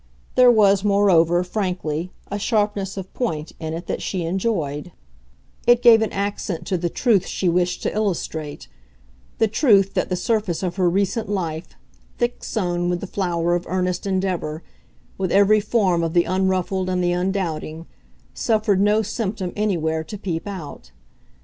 There was moreover, frankly, a sharpness of point in it that she enjoyed; it gave an accent to the truth she wished to illustrate the truth that the surface of her recent life, thick sown with the flower of earnest endeavour, with every form of the unruffled and the undoubting, suffered no symptom anywhere to peep out.